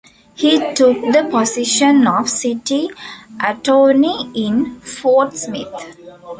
He took the position of City Attorney in Fort Smith.